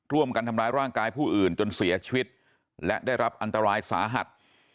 ร่วมกันทำร้ายร่างกายผู้อื่นจนเสียชีวิตและได้รับอันตรายสาหัส